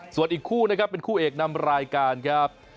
ส่วนอีกคู่นะครับเป็นคู่เอกนำรายการครับ